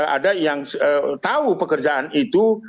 ada yang tahu pekerjaan itu